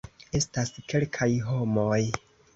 Estas kelkaj homoj